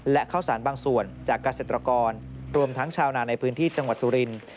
และข้าวสารบางส่วนจากเกษตรกรรวมทั้งชาวนาในพื้นที่จังหวัดสุรินทร์